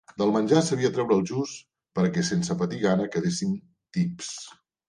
Del menjar sabia treure el just pera que sense patir gana quedessin tips